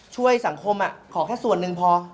ช่วยสังคมขอแค่ส่วนหนึ่งพอ